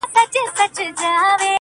د صوفي په نظر هر څه اصلیت وو٫